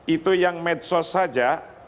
itu yang medsos saja